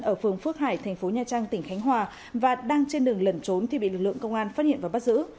ở phường phước hải thành phố nha trang tỉnh khánh hòa và đang trên đường lẩn trốn thì bị lực lượng công an phát hiện và bắt giữ